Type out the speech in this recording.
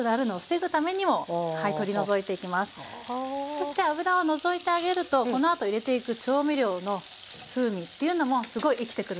そして脂を除いてあげるとこのあと入れていく調味料の風味っていうのもすごい生きてくるんです。